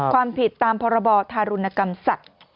ความผิดตามพรบธารุณกรรมสัตว์